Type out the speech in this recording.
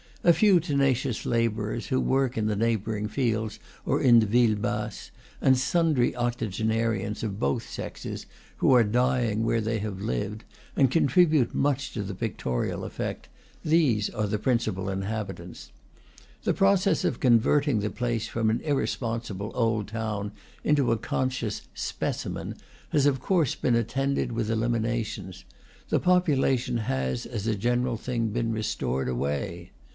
A few tenacious laborers, who work in the neighboring fields or in the ville basse, and sundry octogenarians of both sexes, who are dying where they have lived, and contribute much to the pictorial effect, these are the principal inhabitants. The process of con verting the place from an irresponsible old town into a conscious "specimen" has of course been attended with eliminations; the population has, as a general thing, been restored away.